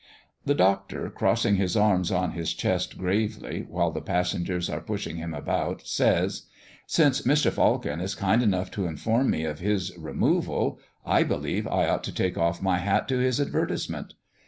The Doctor, crossing his arms on his chest gravely, while the passengers are pushing him about, says: "Since Mr. Falcon is kind enough to inform me of his removal, I believe I ought to take off my hat to his advertisement.